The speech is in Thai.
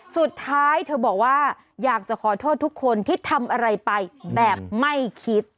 สุดท้ายเธอบอกว่าอยากจะขอโทษทุกคนที่ทำอะไรไปแบบไม่คิด